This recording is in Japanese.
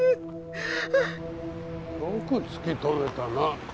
よく突き止めたな。